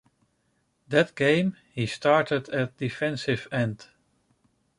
That game, he started at defensive end.